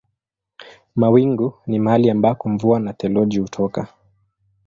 Mawingu ni mahali ambako mvua na theluji hutoka.